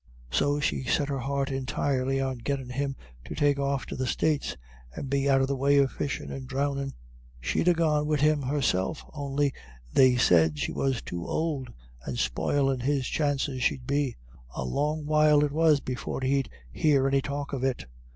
So she set her heart entirely on gettin' him to take off to the States, and be out of the way of fishin' and dhrowndin'. She'd ha' gone wid him herself, on'y they said she was too ould, and spoilin' his chances she'd be. A long while it was before he'd hear any talk of it.